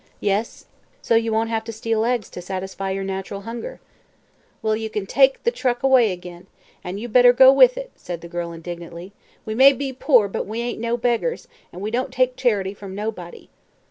"Yes; so you won't have to steal eggs to satisfy your natural hunger." "Well, ye kin take the truck away ag'in. An' you'd better go with it," said the girl indignantly. "We may be poor, but we ain't no beggars, an' we don't take charity from nobody."